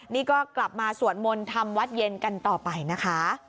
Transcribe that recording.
นี่ก็กลับมาสวดมนต์ทำวัดเย็นกันต่อไปนะคะ